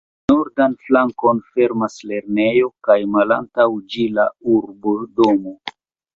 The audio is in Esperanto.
Nordan flankon fermas lernejo kaj malantaŭ ĝi la urbodomo.